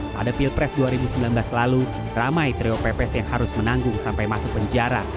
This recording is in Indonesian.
pada pilpres dua ribu sembilan belas lalu ramai trio pps yang harus menanggung sampai masuk penjara